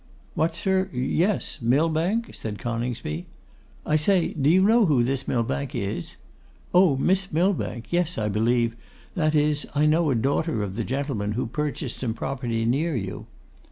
'What, sir; yes, Millbank?' said Coningsby. 'I say, do you know who this Millbank is?' 'Oh! Miss Millbank: yes, I believe, that is, I know a daughter of the gentleman who purchased some property near you.